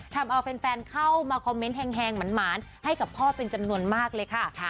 ทำเอาแฟนเข้ามาคอมเมนต์แฮงหมานให้กับพ่อเป็นจำนวนมากเลยค่ะ